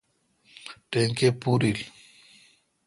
ٹیکہ پورل ۔